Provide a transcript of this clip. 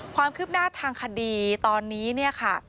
ความคืบหน้าทางคดีตอนนี้เนี่ยค่ะ